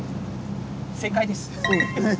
正解です。